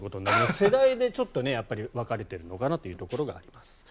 世代でちょっと分かれているのかなというところがあります。